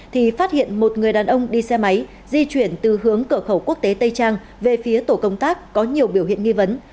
thì phát hiện một người đàn ông đi xe máy di chuyển từ hướng cửa khẩu quốc tế tây trang về phía tổ công tác có nhiều biểu hiện nghi vấn